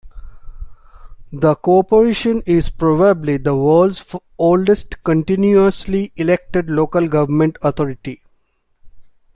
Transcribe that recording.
The Corporation is probably the world's oldest continuously-elected local government authority.